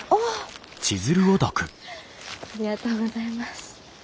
フッありがとうございます。